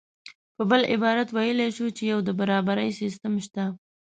په بل عبارت ویلی شو چې یو د برابرۍ سیستم شته